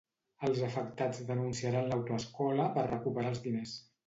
Els afectats denunciaran l'autoescola per recuperar els diners.